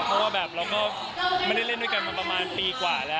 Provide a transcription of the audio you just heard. เพราะว่าแบบเราก็ไม่ได้เล่นด้วยกันมาประมาณปีกว่าแล้ว